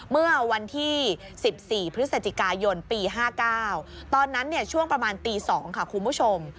เมื่อวันที่๑๔พฤศจิกายนปี๕๙ตอนนั้นช่วงประมาณตี๒ค่ะคุณผู้ชม